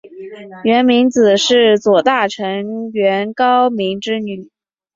源明子是左大臣源高明之女。